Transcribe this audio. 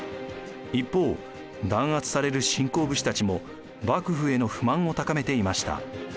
一方弾圧される新興武士たちも幕府への不満を高めていました。